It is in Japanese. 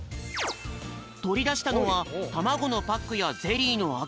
とりだしたのはたまごのパックやゼリーのあきようき。